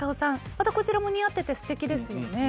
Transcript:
またこちらも似合っててすてきですよね。